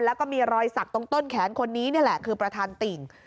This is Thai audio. แล้วก็มีรอยสักตรงต้นแขนคนนี้นี่แหละคือประธานติ่ง